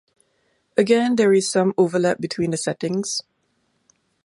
Again, there is some overlap between the settings.